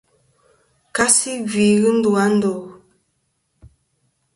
Kasi gvi ghɨ ndu a ndo.